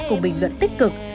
cùng bình luận tích cực